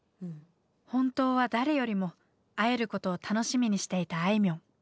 本当は誰よりも会えることを楽しみにしていたあいみょん。